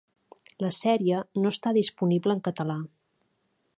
La sèrie no està disponible en català.